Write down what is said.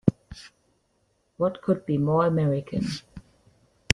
What could be more American!